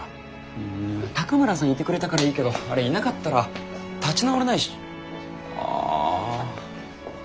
うん高村さんいてくれたからいいけどあれいなかったら立ち直れないああ。